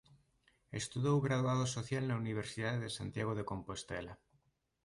Estudou Graduado Social na Universidade de Santiago de Compostela.